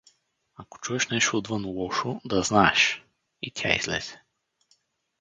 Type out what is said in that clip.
Ако чуеш нещо отвън лошо, да знаеш… — и тя излезе.